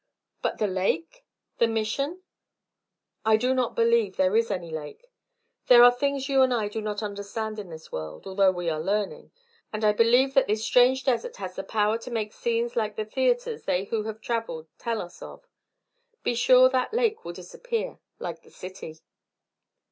"But the lake? the Mission?" "I do not believe there is any lake. There are things you and I do not understand in this world although we are learning and I believe that this strange desert has the power to make scenes like the theatres they who have travelled tell us of. Be sure that lake will disappear like the city."